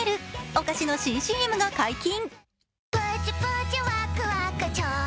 お菓子の新ＣＭが解禁。